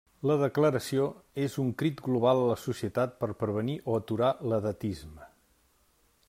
La declaració és un crit global a la societat per prevenir o aturar l'edatisme.